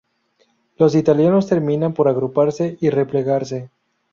Los italianos terminan por agruparse y replegarse.